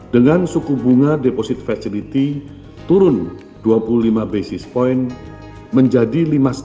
dengan suku bunga deposit facility turun dua puluh lima basis point menjadi lima satu